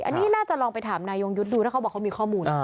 อันนี้น่าจะลองไปถามนายยงยุทธ์ดูถ้าเขาบอกเขามีข้อมูล